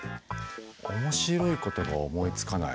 面白いことが思いつかない。